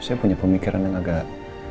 saya punya pemikiran yang agak